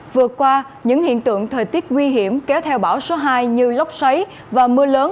vừa qua những hiện tượng thời tiết nguy hiểm kéo theo bão số hai như lốc xoáy và mưa lớn